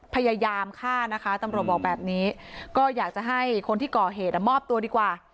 พยายามฆ่านะคะตำรวจบอกแบบนี้ก็อยากจะให้คนที่ก่อเหตุมอบตัวดีกว่า